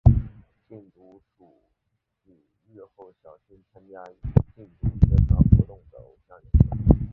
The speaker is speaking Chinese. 禁毒处指日后会小心选择参与禁毒宣传活动的偶像人选。